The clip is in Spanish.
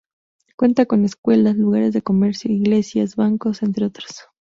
Cuenta con escuelas, lugares de comercio, iglesias, bancos, entre otros.